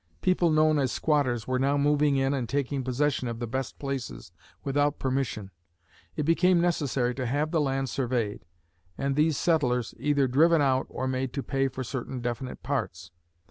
People known as squatters were now moving in and taking possession of the best places without permission. It became necessary to have the land surveyed, and these settlers either driven out or made to pay for certain definite parts.